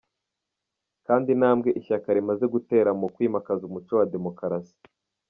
kandi intambwe Ishyaka rimaze gutera mu kwimakaza umuco wa demokarasi.